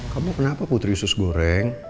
kamu kenapa putri us goreng